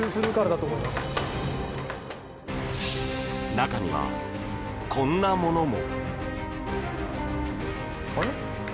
中には、こんなものも。